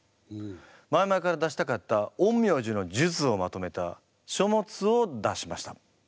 前々から出したかった陰陽師の術をまとめた書物を出しました。